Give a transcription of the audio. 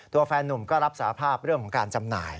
แฟนนุ่มก็รับสาภาพเรื่องของการจำหน่าย